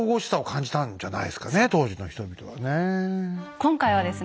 今回はですね